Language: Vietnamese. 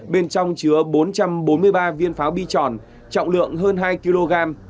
bên trong chứa bốn trăm bốn mươi ba viên pháo bi tròn trọng lượng hơn hai kg